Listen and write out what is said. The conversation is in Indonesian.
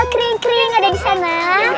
kering kering ada di sana